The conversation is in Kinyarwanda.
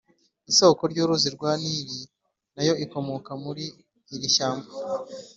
Isoko y’uruzi rwa Nili na yo ikomoka muri iri shyamba.